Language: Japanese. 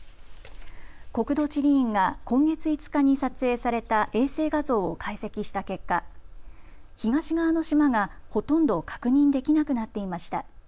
国土地理院が今月５日に撮影された衛星画像を解析した結果、東側の島がほとんど確認できなくなっていました。